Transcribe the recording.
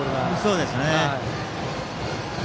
そうですね。